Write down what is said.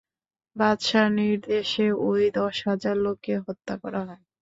বাদশাহর নির্দেশে ঐ দশহাজার লোককে হত্যা করা হয়।